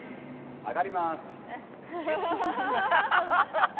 上がります。